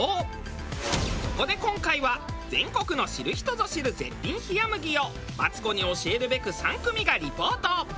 そこで今回は全国の知る人ぞ知る絶品冷麦をマツコに教えるべく３組がリポート。